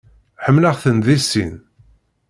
Ḥemmleɣ-ten di sin.